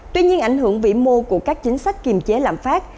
tuy nhiên ảnh hưởng vĩ mô của các chính sách kiềm chế lạm phát